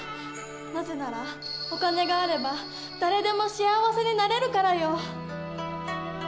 なぜならお金があれば誰でも幸せになれるからよ。